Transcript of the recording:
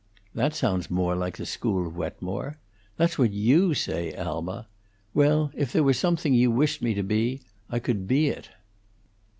"That sounds more like the school of Wetmore. That's what you say, Alma. Well, if there were something you wished me to be, I could be it."